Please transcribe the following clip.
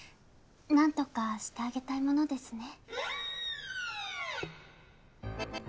何とかしてあげたいものですね。